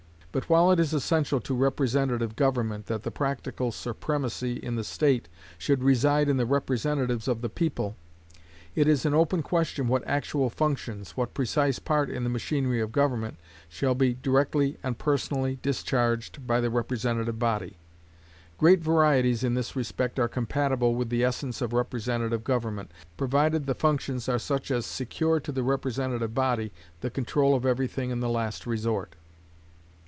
But while it is essential to representative government that the practical supremacy in the state should reside in the representatives of the people, it is an open question what actual functions, what precise part in the machinery of government, shall be directly and personally discharged by the representative body. Great varieties in this respect are compatible with the essence of representative government, provided the functions are such as secure to the representative body the control of every thing in the last resort.